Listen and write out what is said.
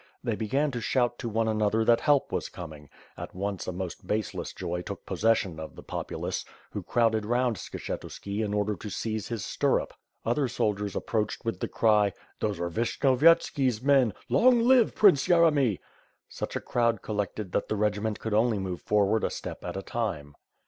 They began to shout to one another that help was coming and, at once a most baseless joy took posses sion of the populace, who crowded round Skshetuski in order to seize his stirrup; other soldiers approached with the cry, "Those are Vishnyovyetski's men! Long live Prince Yeremy." Such a crowd collected that the regiment could only move forward a step at a time.